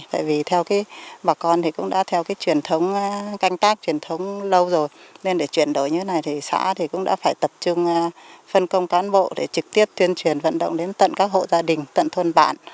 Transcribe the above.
tại vì theo bà con thì cũng đã theo cái truyền thống canh tác truyền thống lâu rồi nên để chuyển đổi như thế này thì xã thì cũng đã phải tập trung phân công cán bộ để trực tiếp tuyên truyền vận động đến tận các hộ gia đình tận thôn bản